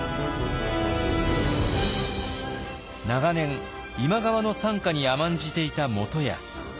長年今川の傘下に甘んじていた元康。